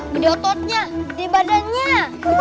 gede ototnya gede badannya